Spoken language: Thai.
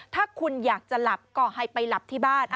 ถ้าคุณอยากจะหลับก็ให้ไปหลับที่บ้าน